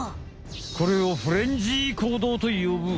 これをフレンジー行動と呼ぶ。